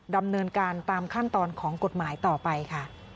ดำเนินการตามขั้นตอนของกฎหมายต่อไปค่ะ